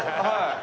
はい。